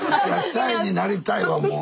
シャイになりたいわもう。